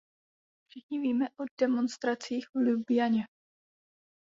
Všichni víme o demonstracích v Ljubljaně.